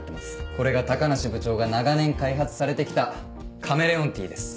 これが高梨部長が長年開発されてきたカメレオンティーです。